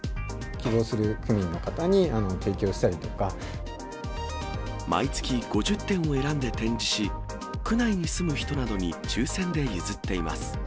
希望する区民の方に提供した毎月５０点を選んで展示し、区内に住む人などに抽せんで譲っています。